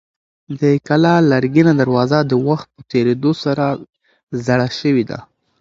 د کلا لرګینه دروازه د وخت په تېرېدو سره زړه شوې ده.